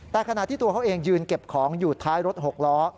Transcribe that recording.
แต่ขณะที่ตัวเขาเองยืนเก็บของอยู่ท้ายรถ๖ล้อ